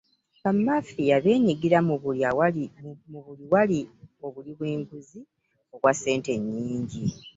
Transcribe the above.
Bamafiya beenyigira mu buli wali obuli bw'enguzi obwa ssente ennyingi